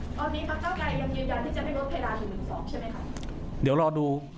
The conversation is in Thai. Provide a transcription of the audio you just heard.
ตอนนี้ภักดิ์เก้าไกยยังยืนยันที่จะให้ลดเวลาถึง๑๒ใช่ไหมครับ